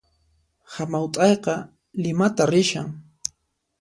Hamaut'ayqa Limata rishan